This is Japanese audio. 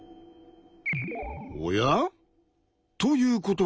おや？ということはだよ